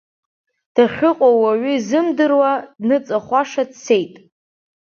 Дахьыҟоу уаҩы изымдыруа, дныҵахәаша дцеит.